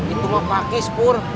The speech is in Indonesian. itu mah pakis pur